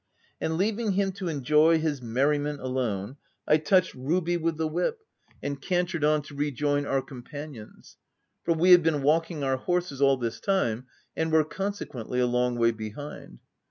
And leaving him to enjoy his merriment alone, I touched Ruby with the whip, and can d 3 58 THE TENANT tered on to rejoin our companions ; for we had been walking our horses all this time, and were consequently a long way behind.